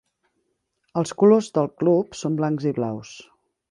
Els colors del club són blancs i blaus.